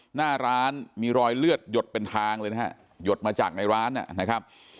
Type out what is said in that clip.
หน้าร้านมีรอยเลือดหยดเป็นทางเลยนะฮะหยดมาจากในร้านนะครับ